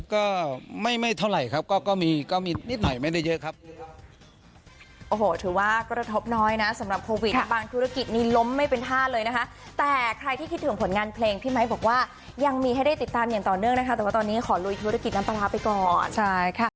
ก็ไม่เท่าไหร่ครับก็มีนิดหน่อยไม่ได้เยอะครับ